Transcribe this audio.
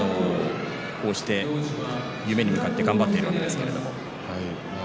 こうして夢に向かって頑張っているわけですけど。